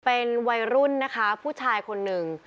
เป็นวัยรุ่นนะคะผู้ชายคนหนึ่ง